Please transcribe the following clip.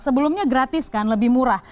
sebelumnya gratis kan lebih murah